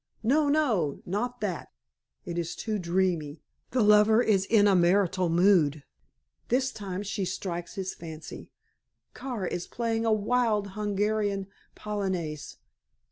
No! No! Not that! It is too dreamy the lover is in a martial mood. This time she strikes his fancy. Kara is playing a wild Hungarian polonaise.